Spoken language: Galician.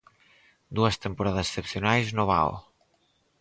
Dúas temporadas excepcionais no Vao.